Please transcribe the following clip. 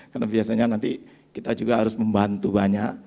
karena biasanya nanti kita juga harus membantu banyak